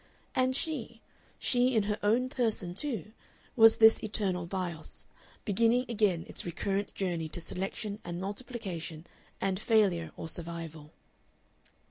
And she, she in her own person too, was this eternal Bios, beginning again its recurrent journey to selection and multiplication and failure or survival.